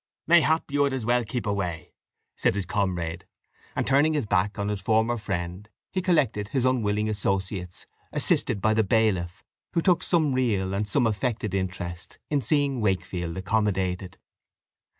"Mayhap you had as well keep away," said his comrade; and turning his back on his former friend, he collected his unwilling associates, assisted by the bailiff, who took some real and some affected interest in seeing Wakefield accommodated.